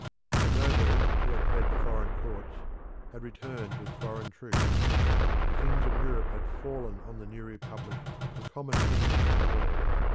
The nobles who had fled to foreign courts had returned with foreign troops; the kings of Europe had fallen on the new republic, the common enemy of all.